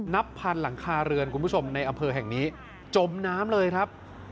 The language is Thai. นับพันหลังคาเรือนคุณผู้ชมในอำเภอแห่งนี้จมน้ำเลยครับ